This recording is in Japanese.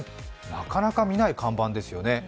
なかなか見ない看板ですよね。